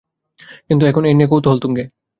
কিন্তু এখন এ নিয়ে কৌতূহল তুঙ্গে।